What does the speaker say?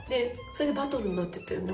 それでバトルになってたよね